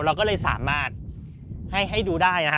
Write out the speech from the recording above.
เราก็เลยสามารถให้ดูได้นะคะ